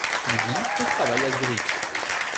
Il vit et travaille à Zurich.